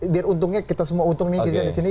biar untungnya kita semua untung nih kita disini